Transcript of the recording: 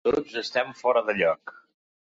Tots estem fora de lloc.